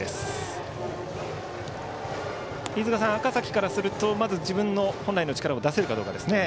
飯塚さん、赤嵜からするとまず自分の本来の力を出せるかどうか。